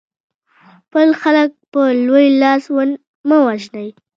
خپل خلک په لوی لاس مه وژنئ.